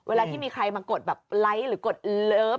เวลาที่มีใครมากดแบบไลค์หรือกดเลิฟ